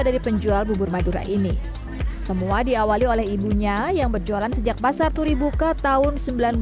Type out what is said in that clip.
dari penjual bubur madura ini semua diawali oleh ibunya yang berjualan sejak pasar turibuka tahun